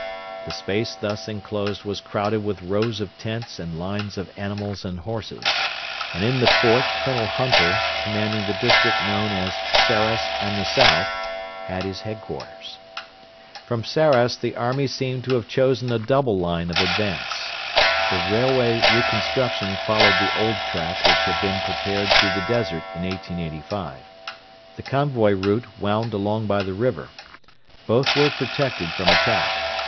The space thus enclosed was crowded with rows of tents and lines of animals and horses; and in the fort Colonel Hunter, commanding the district known as 'Sarras and the South,' had his headquarters. From Sarras the army seemed to have chosen a double line of advance. The railway reconstruction followed the old track which had been prepared through the desert in 1885. The convoy route wound along by the river. Both were protected from attack.